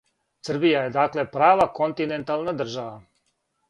Србија је дакле права континентална држава